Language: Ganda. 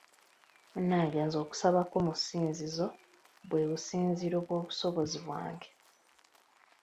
Munnange nze okusabako mu ssinzizo bwe businziiro bw’obusobozi bwange.